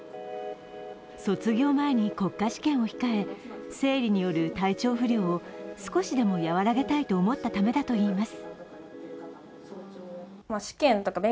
卒業前に国家試験を控え生理による体調不良を少しでも和らげたいと思ったためだといいます。